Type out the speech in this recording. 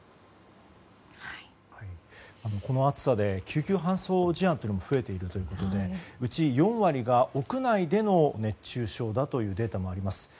この暑さで救急搬送事案も増えているということでうち４割が屋内での熱中症だというデータもあります。